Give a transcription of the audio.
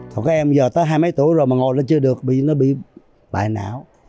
các em giờ tới hai mấy tuổi rồi mà ngồi lên chưa được vì nó bị bại não